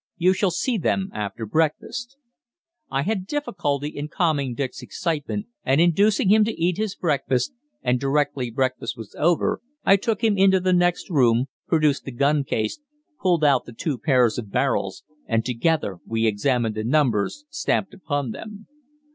You shall see them after breakfast." I had difficulty in calming Dick's excitement and inducing him to eat his breakfast, and directly breakfast was over I took him into the next room, produced the gun case, pulled out the two pairs of barrels, and together we examined the numbers stamped upon them.